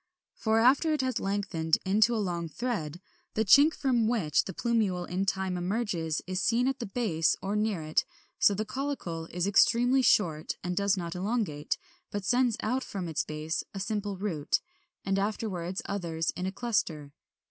For after it has lengthened into a long thread, the chink from which the plumule in time emerges is seen at the base, or near it, so the caulicle is extremely short, and does not elongate, but sends out from its base a simple root, and afterwards others in a cluster.